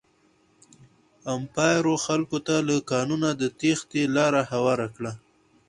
امپارو خلکو ته له قانونه د تېښتې لاره هواره کړه.